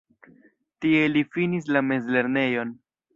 Tie li finis la mezlernejon.